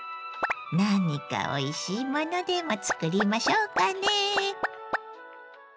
何かおいしいものでも作りましょうかね。